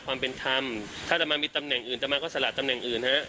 ความเป็นธรรมถ้ามันมีตำแหน่งอื่นตำแหน่งอื่นหรือ